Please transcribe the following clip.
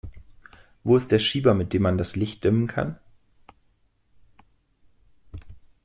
Wo ist der Schieber, mit dem man das Licht dimmen kann?